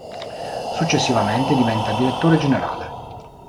Successivamente diventa direttore generale.